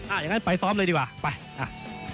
อย่างนั้นไปซ้อมเลยดีกว่าไปอ่า